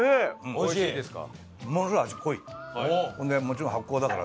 美味しいですか？